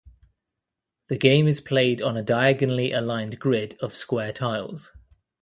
The game is played on a diagonally aligned grid of square tiles.